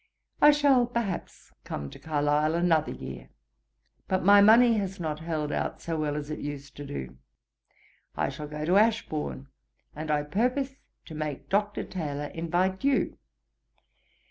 I shall, perhaps, come to Carlisle another year; but my money has not held out so well as it used to do. I shall go to Ashbourne, and I purpose to make Dr. Taylor invite you.